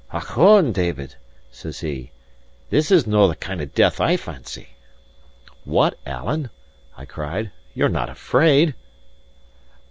"Ochone, David," says he, "this is no the kind of death I fancy!" "What, Alan!" I cried, "you're not afraid?"